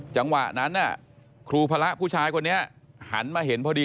จังหวะนั้นครูพระผู้ชายคนนี้หันมาเห็นพอดี